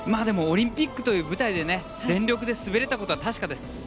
でもオリンピックという舞台で全力で滑れたことは確かです。